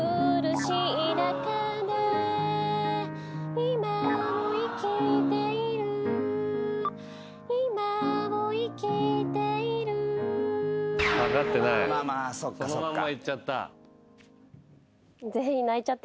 そのまんまいっちゃった。